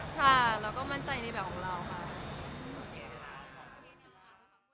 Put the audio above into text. ค่ะเราก็มั่นใจในแบบของเราค่ะ